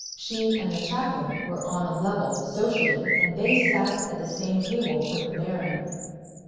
She and the Chaplain were on a level, socially, and they sat at the same table with the Baron.